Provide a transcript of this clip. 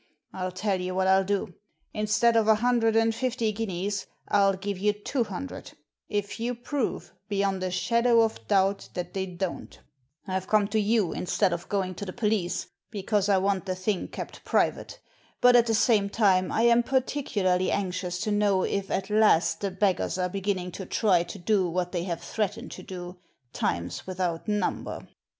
I'll tell you what I'll do ; instead of a hundred and fifty guineas, I'll give you two hundred, if you prove, beyond a shadow of doubt, that they don't I've come to you instead of going to the police, because I want the thing kept private, but at the same time I am particularly anxious to know if at last the b^gars are beginning to try to do what they have threatened to do, times without number."